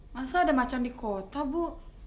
masa ada macan di kota bu